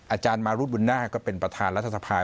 อาจารย์มารุษฎ์บุญนาค่อนข้างก็เป็นประธานรัฐภัย